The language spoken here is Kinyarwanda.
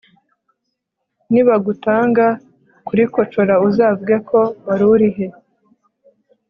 nibagutanga kurikocora uzavuga ko warurihe